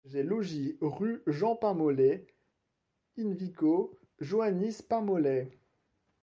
J'ai logis rue Jean-Pain-Mollet, in vico Johannis-Pain-Mollet.